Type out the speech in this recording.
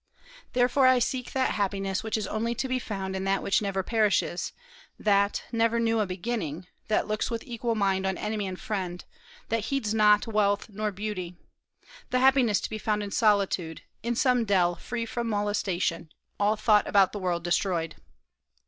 Therefore I seek that happiness which is only to be found in that which never perishes, that never knew a beginning, that looks with equal mind on enemy and friend, that heeds not wealth nor beauty, the happiness to be found in solitude, in some dell free from molestation, all thought about the world destroyed."